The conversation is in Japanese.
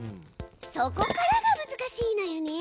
そこからが難しいのよね。